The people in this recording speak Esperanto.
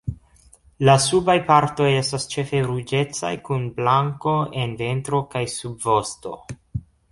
La subaj partoj estas ĉefe ruĝecaj kun blanko en ventro kaj subvosto.